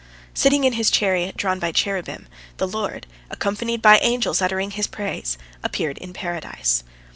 Sitting in his chariot drawn by cherubim, the Lord, accompanied by angels uttering His praise, appeared in Paradise.